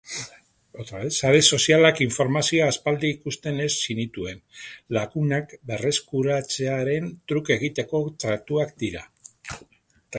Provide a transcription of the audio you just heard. Sare sozialak informazioa aspaldi ikusten ez zenituen lagunak berreskuratzearen truk egiteko tratuak dira.